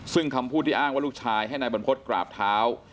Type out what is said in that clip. ซึ่งคำพูดที่อ้างว่าลูกชายให้นายบรรพฤษกราบเท้า